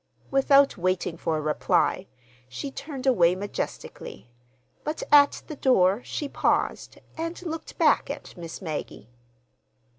Without waiting for a reply, she turned away majestically; but at the door she paused and looked back at Miss Maggie.